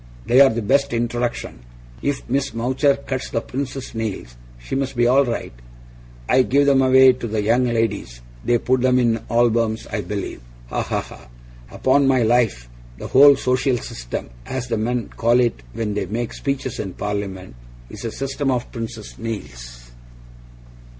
They're the best introduction. If Miss Mowcher cuts the Prince's nails, she must be all right. I give 'em away to the young ladies. They put 'em in albums, I believe. Ha! ha! ha! Upon my life, "the whole social system" (as the men call it when they make speeches in Parliament) is a system of Prince's nails!